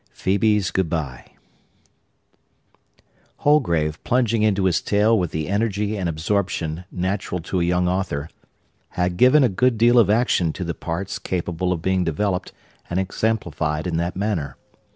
Phœbe's Good Bye Holgrave, plunging into his tale with the energy and absorption natural to a young author, had given a good deal of action to the parts capable of being developed and exemplified in that manner.